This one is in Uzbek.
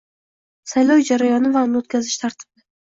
Saylov jarayoni va uni o‘tkazish tartibi